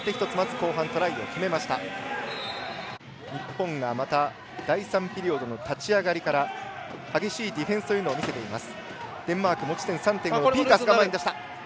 日本が第３ピリオドの立ち上がりから激しいディフェンスというのを見せています。